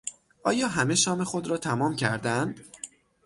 آیا همه شام خود را تمام کردند؟